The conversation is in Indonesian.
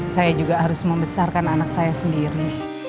saya juga harus membesarkan anak saya sendiri